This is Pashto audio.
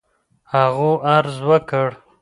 هغو عرض وكړ: